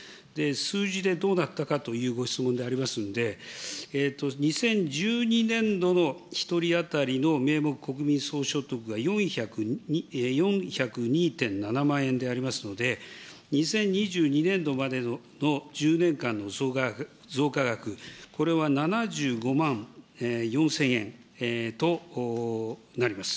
数字でどうなったかというご質問でありますので、２０１２年度の１人当たりの名目国民総所得が４０２．７万円でありますので、２０２２年度までのこの１０年間の増加額、これは７５万４０００円となります。